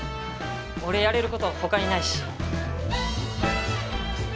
俺やれる事他にないし。